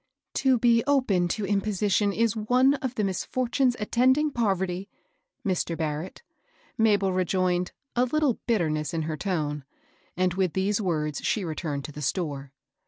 " To be open to imposition is one of the misfor tunes attending poverty, Mr. Barrett," Mabel re joined, a litde bitterness in her tone ; and with these words she returned to the store.